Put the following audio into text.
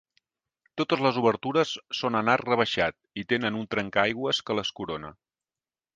Totes les obertures són en arc rebaixat, i tenen un trencaaigües que les corona.